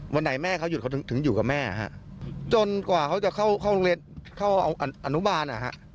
วันไหนแม่เขาถึงอยู่กับแม่จนกว่าเขาจะเข้าโรงเรียนเข้าอนุบาล